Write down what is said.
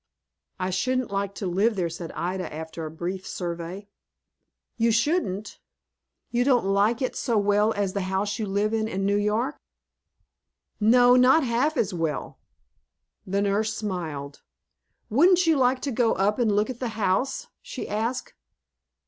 "I shouldn't like to live there," said Ida, after a brief survey. "You shouldn't! You don't like it so well as the house you live in in New York?" "No, not half so well." The nurse smiled. "Wouldn't you like to go up and look at the house?" she asked.